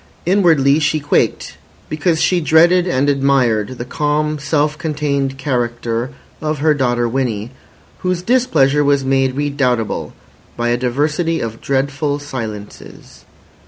Inwardly she quaked, because she dreaded and admired the calm, self contained character of her daughter Winnie, whose displeasure was made redoubtable by a diversity of dreadful silences.